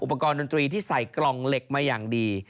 ปกรณดนตรีที่ใส่กล่องเหล็กมาอย่างดี